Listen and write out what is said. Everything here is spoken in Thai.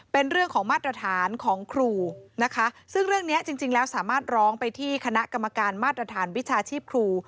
เป็นเรื่องของมาตรฐานของครูนะคะซึ่งเรื่องเนี้ยจริงจริงแล้วสามารถร้องไปที่คณะกรรมการมาตรฐานวิชาชีพครู